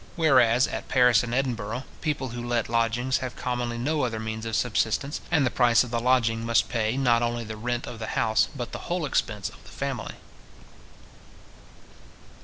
Whereas at Paris and Edinburgh, people who let lodgings have commonly no other means of subsistence; and the price of the lodging must pay, not only the rent of the house, but the whole expense of the family.